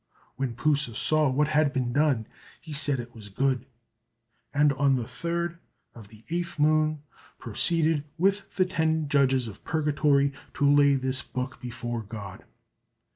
When P'u sa saw what had been done, he said it was good; and on the 3rd of 8th moon proceeded with the ten Judges of Purgatory to lay this book before God.